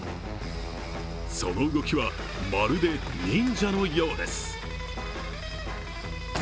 その動きはまるで忍者のようです。